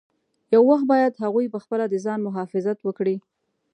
یو وخت باید هغوی پخپله د ځان مخافظت وکړي.